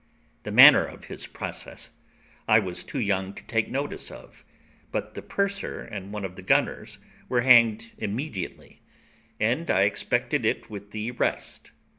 The manner of his process I was too young to take notice of; but the purser and one of the gunners were hanged immediately, and I expected it with the rest.